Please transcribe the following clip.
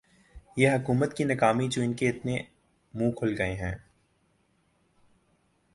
یہ حکومت کی ناکامی جو انکے اتنے منہ کھل گئے ہیں